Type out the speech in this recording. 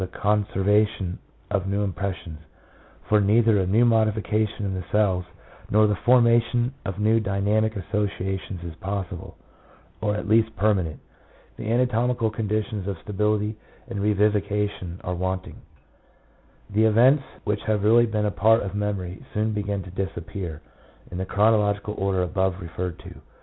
The nerve elements being a prey to atrophy and disease, are no longer capable of the conservation of new impressions; for neither a new modification in the cells nor the formation of new dynamic associations is possible, or at least permanent. The anatomical conditions of stability and revivification are wanting. The events which have really been a part of memory soon begin to disappear in the chronological order above referred to.